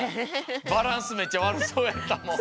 バランスめっちゃわるそうやったもん。